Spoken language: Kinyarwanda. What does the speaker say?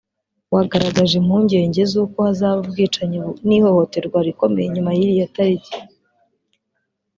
wagaragaje impungenge z’uko hazaba ubwicanyi n’ihohoterwa rikomeye nyuma y’iriya tariki